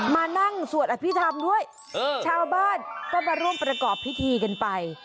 มานั่งสวดอภิษฐรรมด้วยชาวบ้านก็มาร่วมประกอบพิธีกันไป